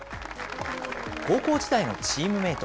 高校時代のチームメート。